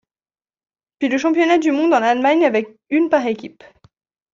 Puis le championnat du monde en Allemagne avec une par équipe.